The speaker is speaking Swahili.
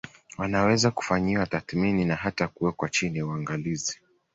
Wanaweza kufanyiwa tathmini na hata kuwekwa chini ya uangalizi